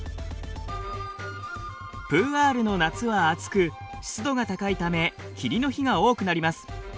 プーアールの夏は暑く湿度が高いため霧の日が多くなります。